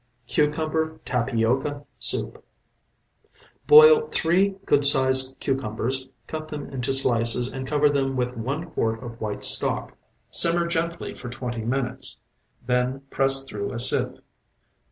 CUCUMBER TAPIOCA SOUP Boil three good sized cucumbers, cut them into slices and cover them with one quart of white stock. Simmer gently for twenty minutes. Then press through a sieve.